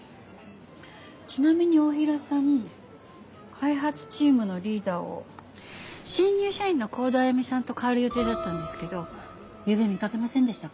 ちなみに太平さん開発チームのリーダーを新入社員の幸田早芽さんと代わる予定だったんですけどゆうべ見かけませんでしたか？